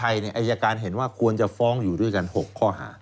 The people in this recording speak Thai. อายการเห็นว่าควรจะฟ้องอยู่ด้วยกัน๖ข้อหา